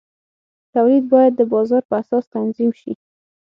تولید باید د بازار په اساس تنظیم شي.